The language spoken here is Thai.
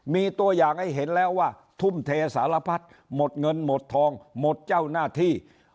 มีตัวอย่างให้เห็นแล้วว่าทุ่มเทสารพัดหมดเงินหมดทองหมดเจ้าหน้าที่